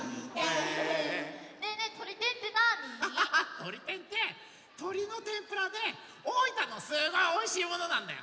とり天ってとりの天ぷらで大分のすごいおいしいものなんだよ。